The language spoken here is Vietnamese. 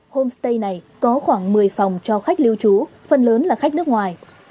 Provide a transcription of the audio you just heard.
homestay này có khoảng một mươi phòng cho khách lưu trú phần lớn là khách nước ngoài